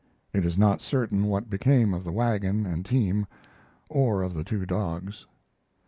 It is not certain what became of the wagon and team, or of the two dogs.